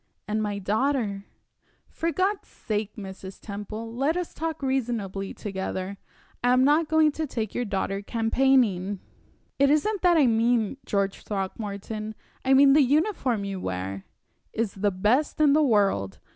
"And my daughter " "For God's sake, Mrs. Temple, let us talk reasonably together! I am not going to take your daughter campaigning." "It isn't that I mean, George Throckmorton. I mean the uniform you wear " "Is the best in the world!